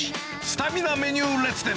スタミナメニュー列伝。